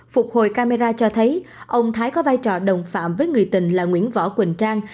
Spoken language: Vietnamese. phục hồi camera cho thấy ông thái có vai trò đồng phạm với người tình là nguyễn võ quỳnh trang